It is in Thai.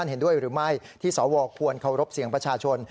เห็นด้วยหรือไม่ที่สวควรเคารพเสียงประชาชน